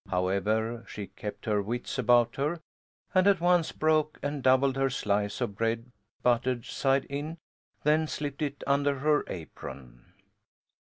However, she kept her wits about her, and at once broke and doubled her slice of bread buttered side in then slipped it under her apron.